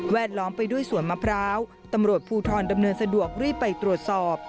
ล้อมไปด้วยสวนมะพร้าวตำรวจภูทรดำเนินสะดวกรีบไปตรวจสอบ